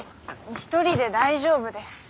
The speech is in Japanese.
１人で大丈夫です。